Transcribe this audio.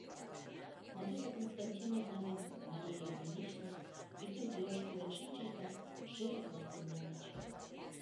Надежда Константиновна ден Мария Ильинична ӱстелтӧрыш пурен шинчыч да шере булкым нальыч.